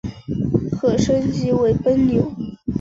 可升级成奔牛。